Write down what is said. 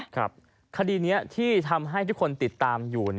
คดีนี้ที่ทำให้ทุกคนติดตามอยู่